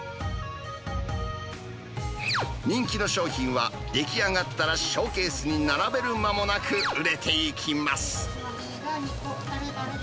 人気の商品は、出来上がったら、ショーケースに並べる間もなく売れていきます。